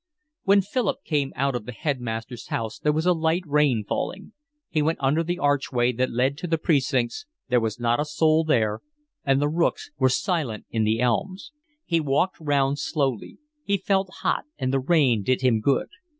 When Philip came out of the headmaster's house there was a light rain falling. He went under the archway that led to the precincts, there was not a soul there, and the rooks were silent in the elms. He walked round slowly. He felt hot, and the rain did him good.